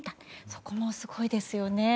そこもすごいですよね。